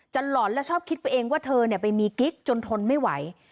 หล่อนและชอบคิดไปเองว่าเธอไปมีกิ๊กจนทนไม่ไหว